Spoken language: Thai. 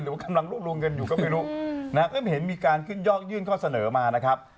พวกลุงกันอยู่ก็ไม่รู้เริ่มเห็นมีการขึ้นยอกยื่นพ่อเสนอมานะครับ